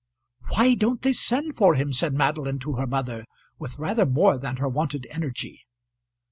"Why don't they send for him?" said Madeline to her mother with rather more than her wonted energy.